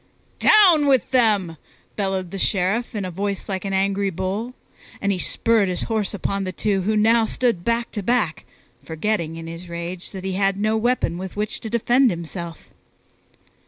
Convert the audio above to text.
"Down with them!" bellowed the Sheriff in a voice like an angry bull; and he spurred his horse upon the two who now stood back to back, forgetting in his rage that he had no weapon with which to defend himself.